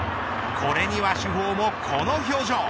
これには主砲もこの表情。